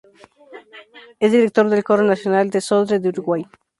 Es director del Coro Nacional del Sodre de Uruguay.